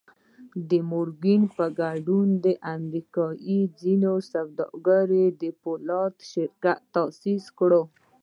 د مورګان په ګډون د امريکا ځينو سوداګرو د پولادو شرکت تاسيس کړی و.